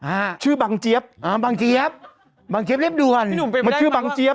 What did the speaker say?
อ่าชื่อบังเจี๊ยบอ่าบังเจี๊ยบบางเจี๊ยเรียบด่วนพี่หนุ่มมันชื่อบังเจี๊ยบ